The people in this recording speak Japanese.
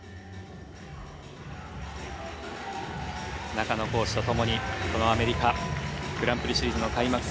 中野コーチとともにこのアメリカグランプリシリーズの開幕戦迎えました。